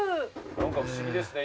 何か不思議ですね。